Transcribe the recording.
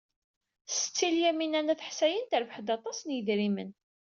Setti Lyamina n At Ḥsayen terbeḥ-d aṭas n yidrimen.